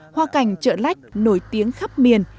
hoa cành trợ lách nổi tiếng khắp miền